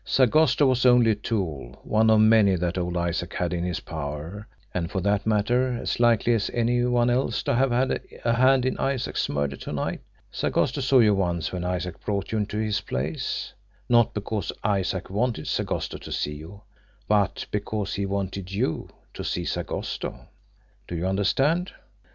"Sagosto was only a tool, one of many that old Isaac had in his power and, for that matter, as likely as any one else to have had a hand in Isaac's murder to night. Sagosto saw you once when Isaac brought you into his place not because Isaac wanted Sagosto to see you, but because he wanted YOU to see Sagosto. Do you understand?